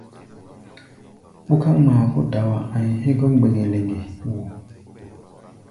Ɓúká ŋmaa kó dawa a̧ʼi̧ hégɔ́ mbeŋge-leŋge wo!